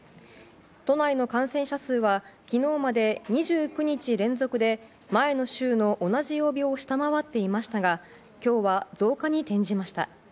都内の感染者数は昨日まで２９日連続で前の週の同じ曜日を下回っていましたが今日は増加に転じました。